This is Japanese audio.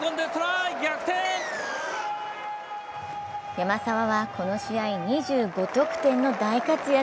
山沢はこの試合、２５得点の大活躍。